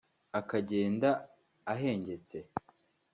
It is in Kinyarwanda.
akagenda ahengetse